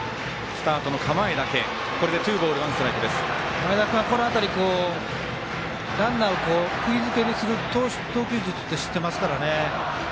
前田君は、この辺りランナーをくぎ付けにする投球術って知ってますからね。